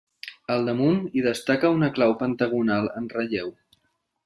Al damunt hi destaca una clau pentagonal en relleu.